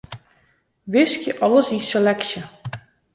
Wiskje alles yn seleksje.